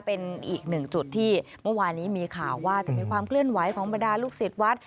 เป็นอีกหนึ่งจุดที่เมื่อวานนี้มีข่าวว่าจะมีความเคลื่อนไหวของบรรดาลูกศิษย์วัด